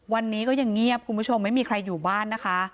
วันนี้ก็ยังเงียบคุณผู้ชมไม่มีใครอยู่บ้านนะคะ